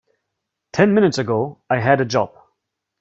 Ten minutes ago I had a job.